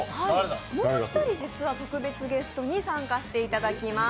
もう１人、実は特別ベストに参加していただきます。